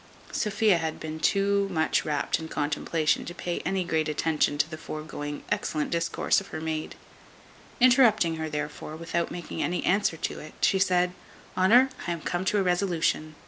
Sophia had been too much wrapt in contemplation to pay any great attention to the foregoing excellent discourse of her maid; interrupting her therefore, without making any answer to it, she said, "Honour, I am come to a resolution.